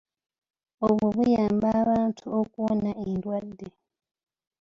Obwo buyamba abantu okuwona endwadde.